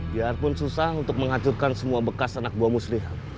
biarpun susah untuk menghancurkan semua bekas anak buah muslihat